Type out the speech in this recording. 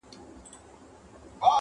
دا خو زموږ د مړو لو بې عزتي ده-